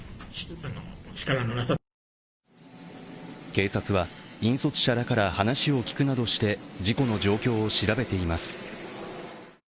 警察は、引率者らから話を聞くなどして事故の状況を調べています。